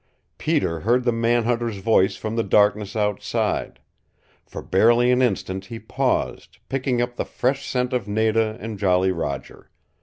Peter heard the man hunter's voice from the darkness outside. For barely an instant he paused, picking up the fresh scent of Nada and Jolly Roger.